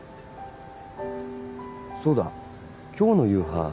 そうだ今日の夕飯